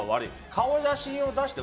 顔写真を出して。